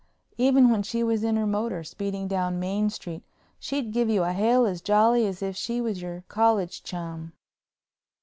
Even when she was in her motor, speeding down Main Street, she'd give you a hail as jolly as if she was your college chum.